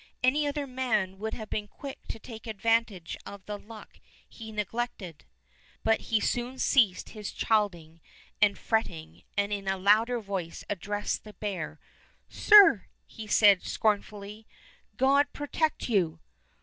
Any other man would have been quick to take advantage of the luck he has neglected." But he soon ceased his chiding and fret ting, and in a louder voice addressed the bear. "Sir," he said scornfully, "God pro tect you!"